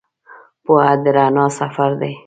پوهه د رڼا سفر دی.